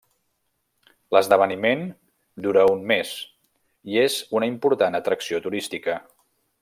L'esdeveniment dura un mes i és una important atracció turística.